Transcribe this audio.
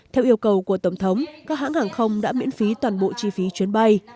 theo yêu cầu của tổng thống các hãng hàng không đã miễn phí toàn bộ chi phí chuyến bay